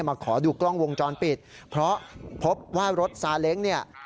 มาขอดูกล้องวงจรปิดเพราะพบว่ารถซาเล้งเนี่ย